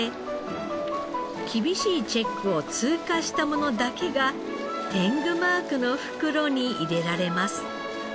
厳しいチェックを通過したものだけが天狗マークの袋に入れられます。